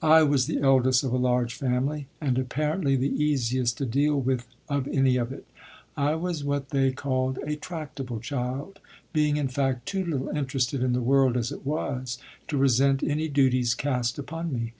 I was the eldest of a large family, and apparently the easiest to deal with of any of it. I was what they call a tractable child, being, in fact, too little interested in the world as it was to resent any duties cast upon me.